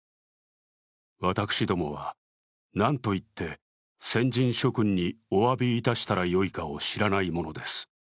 私どもはなんといって鮮人諸君にお詫びいたしたらよいか知らないものです。